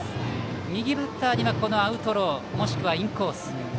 右バッターにはアウトローもしくはインコース。